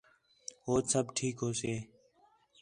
ہوچ سب ٹھیک ہوسے